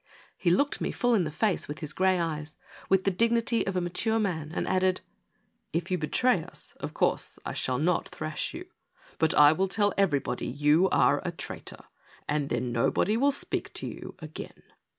He looked me full in the face with his gray eyes, with the genuine dignity of a mature man, and added: " If you betray us, of course, I shall not thrash you ; but I will tell everybody you are a traitor, and then nobody will speak to j'ou again."